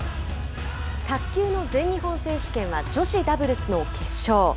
卓球の全日本選手権は女子ダブルスの決勝。